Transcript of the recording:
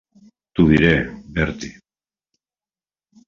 T'ho diré, Bertie.